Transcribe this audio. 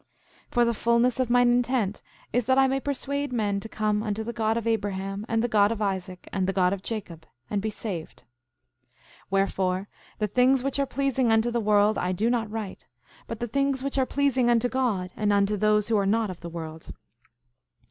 6:4 For the fulness of mine intent is that I may persuade men to come unto the God of Abraham, and the God of Isaac, and the God of Jacob, and be saved. 6:5 Wherefore, the things which are pleasing unto the world I do not write, but the things which are pleasing unto God and unto those who are not of the world.